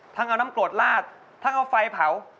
ทั้งเอาน้ำกรดลาดทั้งเอาไฟเผา